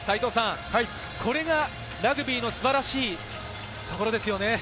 これがラグビーの素晴らしいところですよね。